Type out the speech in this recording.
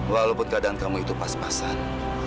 walaupun keadaan kamu itu pas pasan